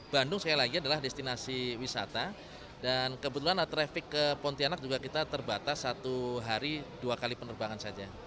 bandung sekali lagi adalah destinasi wisata dan kebetulan traffic ke pontianak juga kita terbatas satu hari dua kali penerbangan saja